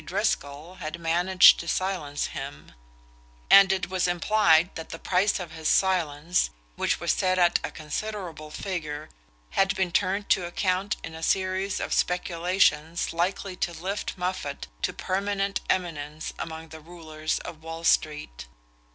Driscoll, had managed to silence him; and it was implied that the price of this silence, which was set at a considerable figure, had been turned to account in a series of speculations likely to lift Moffatt to permanent eminence among the rulers of Wall Street.